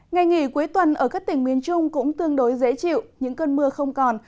ngày nghỉ cuối tuần ở các tỉnh miền trung cũng tương đối dễ chịu những cơn mưa không còn